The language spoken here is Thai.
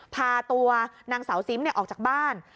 พาตัวนางสาวซิมออกจากบ้าน